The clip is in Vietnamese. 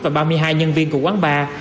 và ba mươi hai nhân viên của quán bar